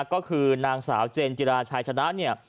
ก็คือนางสาวเจนจิราชายชนะเนี่ย